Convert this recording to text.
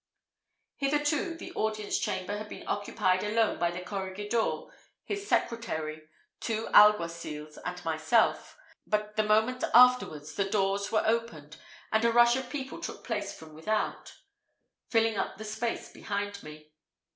Hitherto the audience chamber had been occupied alone by the corregidor, his secretary, two alguacils, and myself, but the moment afterwards the doors were opened, and a rush of people took place from without, filling up the space behind me.